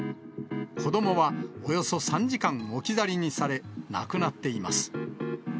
子どもはおよそ３時間置き去りにされ、亡くなっています。